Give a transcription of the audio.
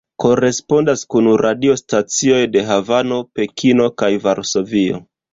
Korespondas kun radiostacioj de Havano, Pekino, kaj Varsovio.